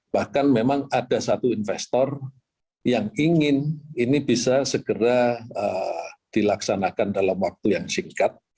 bahkan memang ada satu investor yang ingin ini bisa segera dilaksanakan dalam waktu yang singkat